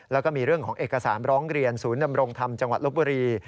แล้วก็มีเรื่องของเอกสารร้องเรียนศูนย์ดำรงธรรมจังหวัดลบบุรี